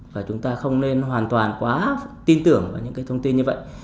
và chúng ta không nên hoàn toàn quá tin tưởng vào những cái thông tin như vậy